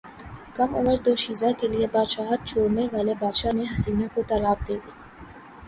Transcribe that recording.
کم عمر دوشیزہ کیلئے بادشاہت چھوڑنے والے بادشاہ نے حسینہ کو طلاق دیدی